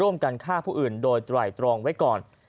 ร่วมกันฆ่าผู้อื่นโดยไตรตรองไว้ก่อน